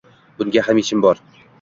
Bunga ham yechim bor